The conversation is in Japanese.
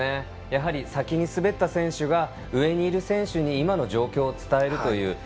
先に滑った選手が上にいる選手に今の状況を伝えるという。